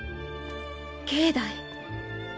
境内